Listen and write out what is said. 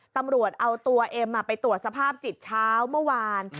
ตำรวจเอาตัวเอ็มไปตรวจสภาพจิตเช้าเมื่อวาน